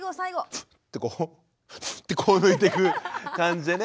スッてこうスッてこう抜いていく感じでね。